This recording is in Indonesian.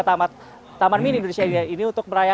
taman mini indonesia indah ini untuk berdaya